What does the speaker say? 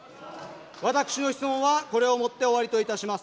私の質問はこれをもって終わりといたします。